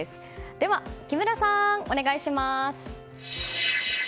では木村さん、お願いします。